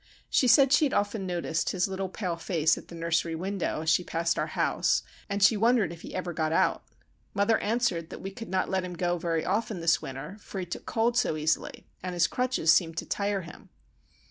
She said she had often noticed his little pale face at the nursery window as she passed our house, and she wondered if he ever got out. Mother answered that we could not let him go very often this winter, for he took cold so easily, and his crutches seemed to tire him.